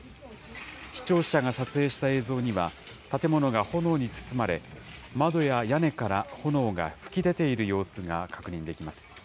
視聴者が撮影した映像には、建物が炎に包まれ、窓や屋根から炎が吹き出ている様子が確認できます。